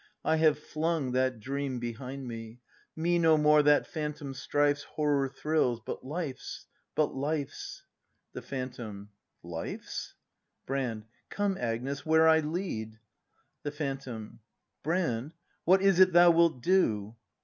] I have flung that dream behind me. Me no more that phantom strife's Horror thrills; — but Life's! but Life's! The Phantom. Life's? Brand. Come, Agnes, where I lead! The Phantom. Brand, what is it thou wilt do